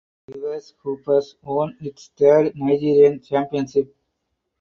Rivers Hoopers won its third Nigerian championship.